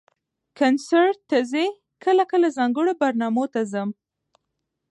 کنسرټ ته ځئ؟ کله کله، ځانګړو برنامو ته ځم